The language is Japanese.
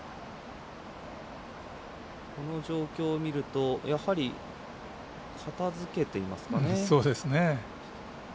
この状況を見るとやはり、片付けていますね。